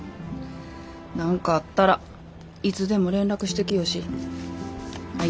何かあったらいつでも連絡してきよし。